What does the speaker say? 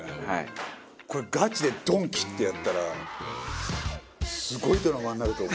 これガチで「ドンキ！」ってやったらすごいドラマになると思う。